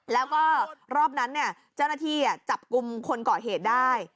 แล้วก็รอบนั้นเจ้าหน้าที่จับกลุ่มคนก่อเหตุได้